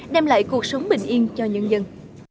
đem lại cuộc sống bình yên cho nhân dân